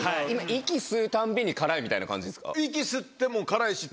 息吸うたんびに辛いみたいな感じですか？